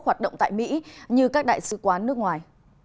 hoạt động tại mỹ như các đại sứ quán nước ngoài